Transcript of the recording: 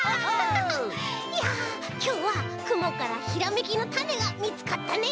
いやきょうはくもからひらめきのタネがみつかったね。